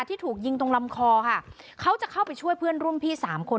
ที่ถูกยิงตรงลำคอค่ะเขาจะเข้าไปช่วยเพื่อนรุ่นพี่สามคน